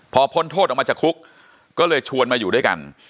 พอพ้นโทษออกมาจากคุกก็เลยชวนมาอยู่ด้วยกัน